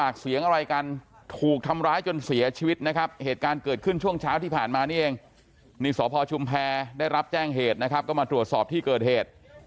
ก็มาตรวจสอบที่เกิดเหตุ